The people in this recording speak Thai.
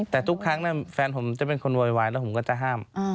แต่ทุกครั้งแฟนผมจะเป็นคนโวยวายแล้วผมก็จะห้าม